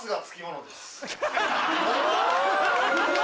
お！